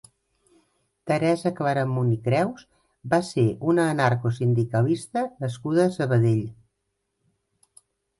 Teresa Claramunt i Creus va ser una anarcosindicalista nascuda a Sabadell.